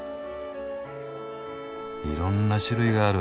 いろんな種類がある。